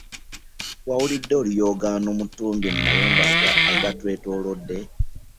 Wawulidde oluyoogaano mu ttumbi mu mayumba agatwetooloodde?